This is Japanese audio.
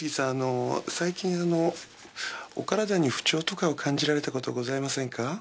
あの最近あのお体に不調とかを感じられたことございませんか？